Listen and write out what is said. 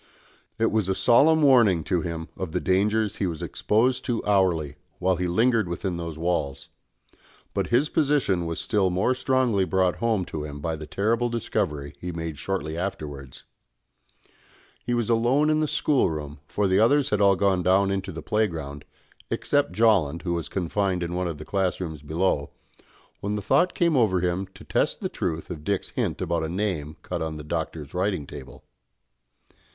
It was a solemn warning to him of the dangers he was exposed to hourly, while he lingered within those walls; but his position was still more strongly brought home to him by the terrible discovery he made shortly afterwards. He was alone in the schoolroom, for the others had all gone down into the playground, except Jolland, who was confined in one of the class rooms below, when the thought came over him to test the truth of Dick's hint about a name cut on the Doctor's writing table.